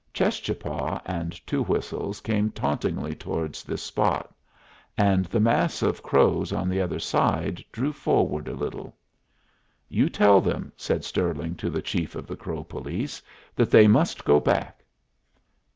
Cheschapah and Two Whistles came tauntingly towards this spot, and the mass of Crows on the other side drew forward a little. "You tell them," said Stirling to the chief of the Crow police, "that they must go back."